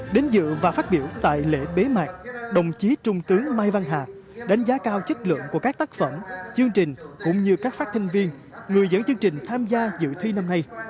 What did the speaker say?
đến dự và phát biểu tại lễ bế mạc đồng chí trung tướng mai văn hạ đánh giá cao chất lượng của các tác phẩm chương trình cũng như các phát thanh viên người dẫn chương trình tham gia dự thi năm nay